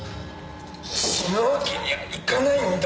死ぬわけにはいかないんだ。